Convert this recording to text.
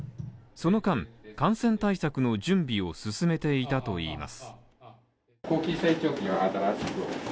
その間、感染対策の準備を進めていたといいます